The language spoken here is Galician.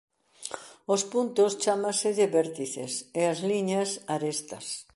Aos puntos chámaselles vértices e ás liñas arestas.